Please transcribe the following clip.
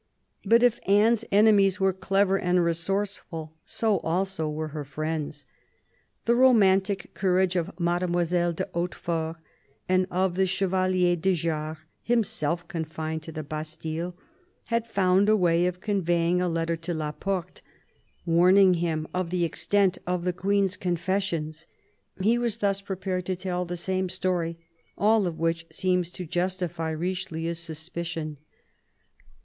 But if Anne's enemies were clever and resource ful, so also were her friends. The romantic courage of Mademoiselle de Hautefort and of the Chevalier de Jars, himself confined in the Bastille, had found a way of convey ing a letter to La Porte, warning him of the extent of the Queen's confessions. He was thus prepared to tell the same story — all of which seems to justify Richelieu's suspicion.